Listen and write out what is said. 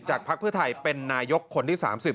พักเพื่อไทยเป็นนายกคนที่๓๐